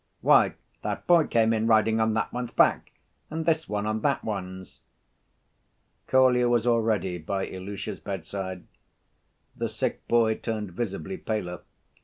"Why, that boy came in riding on that one's back and this one on that one's." Kolya was already by Ilusha's bedside. The sick boy turned visibly paler.